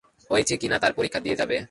হয়েছে কি না তার পরীক্ষা দিয়ে যাব।